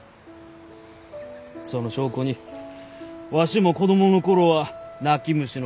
その証拠にわしも子供の頃は泣き虫の毛虫じゃったがよ。